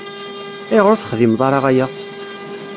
Ayɣer ur texdimeḍ ara aya?